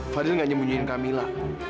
fadil gak nyembunyiin kamila